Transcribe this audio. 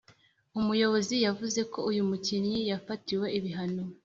umuyobozi, yavuze ko “uyu mukinnyi yafatiwe ibihano,